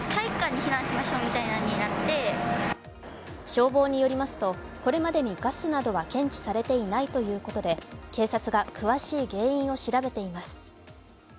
消防によりますと、これまでにガスなどは検地されていないということで、警察が詳しい原因を調べています。